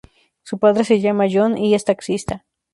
Su padre se llama John y es taxista.